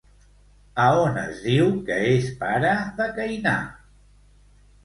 A on es diu que és pare de Cainà?